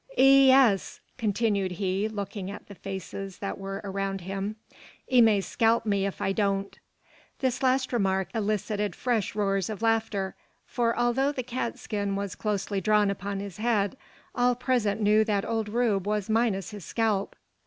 "'Ee es," continued he, looking at the faces that were around him, "'ee may scalp me if I don't." This last remark elicited fresh roars of laughter; for although the cat skin was closely drawn upon his head, all present knew that old Rube was minus his scalp.